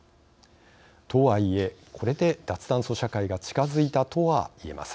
とはいえこれで脱炭素社会が近づいたとはいえません。